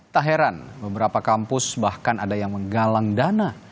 tak heran beberapa kampus bahkan ada yang menggalang dana